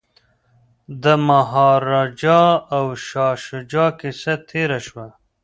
د مهاراجا او شاه شجاع کیسه تیره شوه.